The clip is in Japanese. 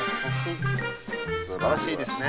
すばらしいですね。